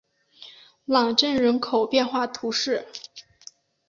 朗镇人口变化图示